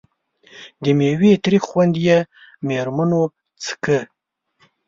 د میوې تریخ خوند یې مېرمنو څکه.